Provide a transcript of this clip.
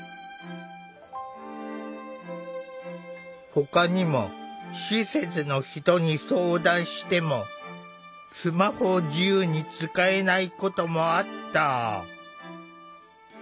ほかにも施設の人に相談してもスマホを自由に使えないこともあった。